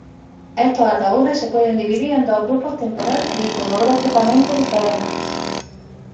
Estos ataúdes se pueden dividir en dos grupos temporal e iconográficamente diferentes.